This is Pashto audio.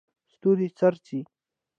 ستوري څرڅي.